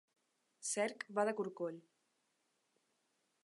Cerc va de corcoll.